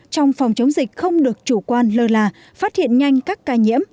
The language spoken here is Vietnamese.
trong phòng chống dịch không được chủ quan lơ là phát hiện nhanh các ca nhiễm